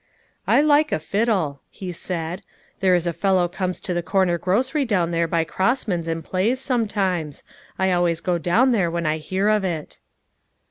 " I like a fiddle," he said. " There is a fellow comes into the corner grocery down there by Grossman's and plays, sometimes ; I always go down there, when I hear of it."